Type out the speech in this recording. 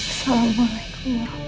assalamualaikum warahmatullahi wabarakatuh